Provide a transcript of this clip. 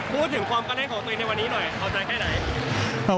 พูดถึงความกล้าเล่นของตัวเองในวันนี้หน่อยเอาใจแค่ไหน